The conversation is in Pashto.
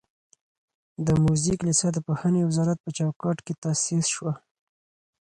د موزیک لیسه د پوهنې وزارت په چوکاټ کې تاسیس شوه.